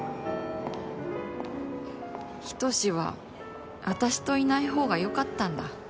仁は私といないほうが良かったんだ。